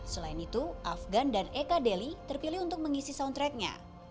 selain itu afgan dan eka deli terpilih untuk mengisi soundtracknya